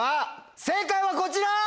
正解はこちら！